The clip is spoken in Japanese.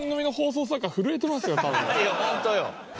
いやホントよ。